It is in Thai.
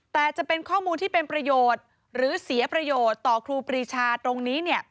แต่จะเป็นข้อมูลที่เป็นประโยชน์หรือเสียประโยชน์ต่อครูปรีชาตรงนี้